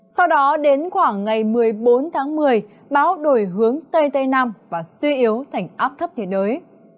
sau đó đến khoảng ngày một mươi bốn tháng một mươi báo đổi hướng tây tây nam và suy yếu thành áp thấp nhiệt đới